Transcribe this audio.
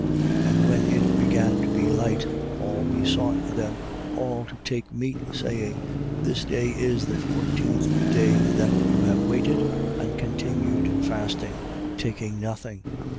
27:33. And when it began to be light, Paul besought them all to take meat, saying: This day is the fourteenth day that you have waited and continued fasting, taking nothing.